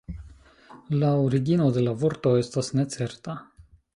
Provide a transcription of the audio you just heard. La origino de la vorto estas necerta.